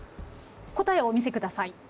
答えをお見せください。